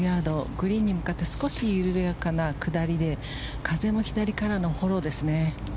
グリーンに向かって少し緩やかな下りで風は左からのフォローですね。